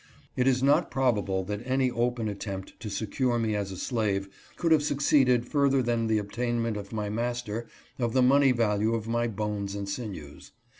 It is not probable that any open attempt to secure me as a slave could have succeeded further than the obtain ment by my master of the money value of my bones and sinews.